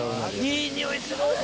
いい匂いする！